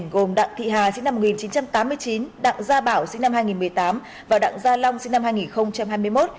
gồm đặng thị hà sinh năm một nghìn chín trăm tám mươi chín đặng gia bảo sinh năm hai nghìn một mươi tám và đặng gia long sinh năm hai nghìn hai mươi một